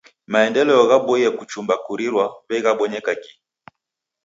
Maendeleo ghaboie kuchumba kurirwa w'ei ghabonyeka gi.